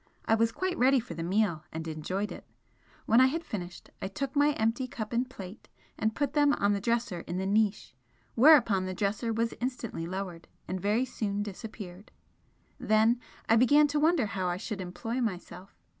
I was quite ready for the meal, and enjoyed it. When I had finished, I took my empty cup and plate and put them on the dresser in the niche, whereupon the dresser was instantly lowered, and very soon disappeared. Then I began to wonder how I should employ myself.